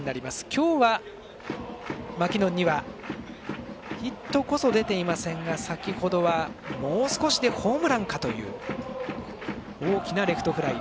今日はマキノンにはヒットこそ出ていませんが先ほどは、もう少しでホームランかという大きなレフトフライ。